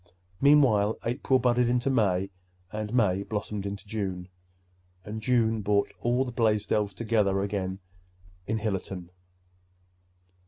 Meanwhile April budded into May, and May blossomed into June; and June brought all the Blaisdells together again in Hillerton.